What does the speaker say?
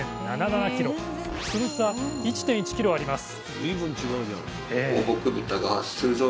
その差１．１ｋｇあります